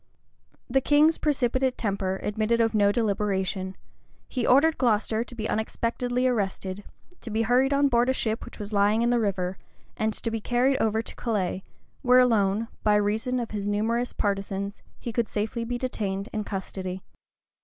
The king's precipitate temper admitted of no deliberation: he ordered Glocester to be unexpectedly arrested; to be hurried on board a ship which was lying in the river; and to be carried over to Calais, where alone, by reason of his numerous partisans, he could safely be detained in custody.